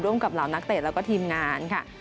กับเหล่านักเตะแล้วก็ทีมงานค่ะ